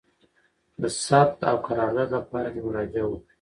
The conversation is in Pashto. د ثبت او قرارداد لپاره دي مراجعه وکړي: